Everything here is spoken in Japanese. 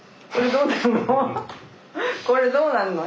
これどうなの？